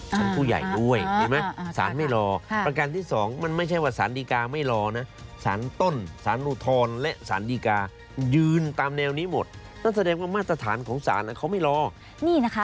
คนผู้ใหญ่ด้วยเดี่ยวิ